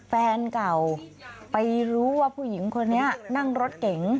แฟนเก่าไปรู้ว่าผู้หญิงคนนี้นั่งรถเก๋ง